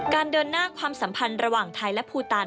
เดินหน้าความสัมพันธ์ระหว่างไทยและภูตาน